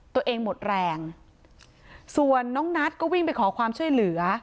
ตัวเองหมดแรงส่วนน้องนัทก็วิ่งไปขอความช่วยเหลือ